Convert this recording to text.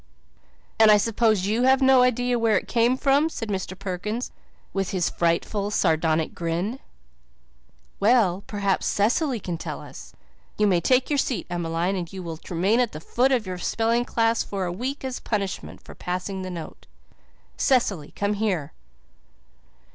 "And I suppose you have no idea where it came from?" said Mr. Perkins, with his frightful, sardonic grin. "Well, perhaps Cecily can tell us. You may take your seat, Emmeline, and you will remain at the foot of your spelling class for a week as punishment for passing the note. Cecily, come here."